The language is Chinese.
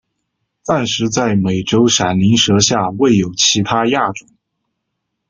暂时在美洲闪鳞蛇下未有其它亚种。